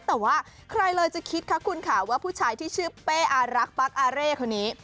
แต่ว่าใครเลยจะคิดคะคุณค่ะว่าผู้ชายที่ชื่อเป้อารักปั๊กอาเร่คนนี้